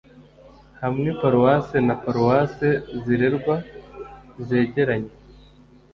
hamwe paruwase na Paruwase zirerwa zegeranye